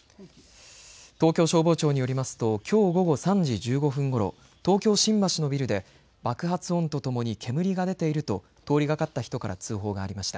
東京消防庁によりますときょう午後３時１５分ごろ東京、新橋のビルで爆発音とともに煙が出ていると通りがかった人から通報がありました。